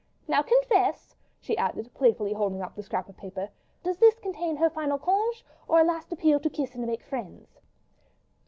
Now confess!" she added, playfully holding up the scrap of paper, "does this contain her final congé, or a last appeal to kiss and make friends?"